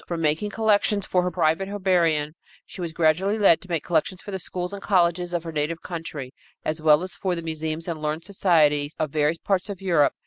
From making collections for her private herbarium, she was gradually led to make collections for the schools and colleges of her native country, as well as for the museums and learned societies of various parts of Europe.